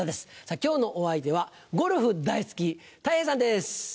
今日のお相手はゴルフ大好きたい平さんです。